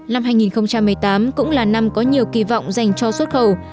năm hai nghìn một mươi tám cũng là năm có nhiều kỳ vọng dành cho xuất khẩu